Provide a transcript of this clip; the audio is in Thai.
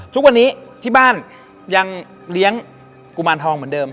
ทุกวันนี้ที่บ้านยังเลี้ยงกุมารทองเหมือนเดิม